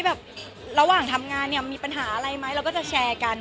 แบบระหว่างทำงานเนี่ยมีปัญหาอะไรไหมเราก็จะแชร์กัน